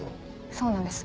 そうなんです